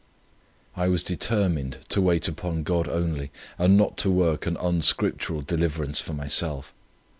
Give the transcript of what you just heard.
I was determined to wait upon God only, and not to work an unscriptural deliverance for myself.